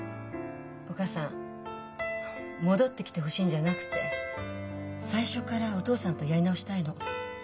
お母さん戻ってきてほしいんじゃなくて最初からお父さんとやり直したいの。